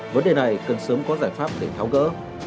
vấn đề này cần sớm có giải pháp để tháo gỡ